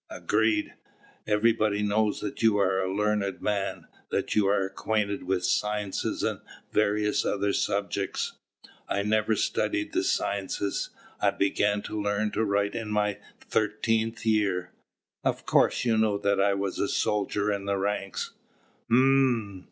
"Agreed. Everybody knows that you are a learned man, that you are acquainted with sciences and various other subjects. I never studied the sciences: I began to learn to write in my thirteenth year. Of course you know that I was a soldier in the ranks." "Hm!"